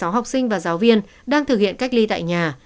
ba bảy trăm bảy mươi sáu học sinh và giáo viên đang thực hiện cách ly tại nhà